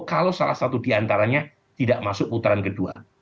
kalau salah satu diantaranya tidak masuk putaran kedua